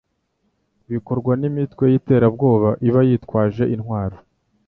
bikorwa n'imitwe y'iterabwoba iba yitwaje intwaro.